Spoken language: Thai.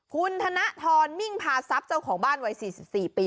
คุณธนทรมิ่งพาทรัพย์เจ้าของบ้านวัย๔๔ปี